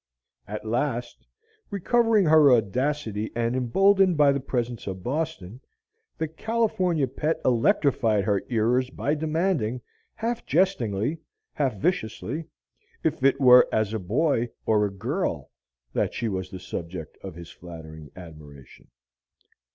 At last, recovering her audacity and emboldened by the presence of "Boston," the "California Pet" electrified her hearers by demanding, half jestingly, half viciously, if it were as a boy or a girl that she was the subject of his flattering admiration.